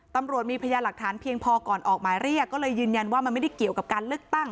ตำรวจมีพยานหลักฐานเพียงพอก่อนออกหมายเรียกก็เลยยืนยันว่ามันไม่ได้เกี่ยวกับการเลือกตั้ง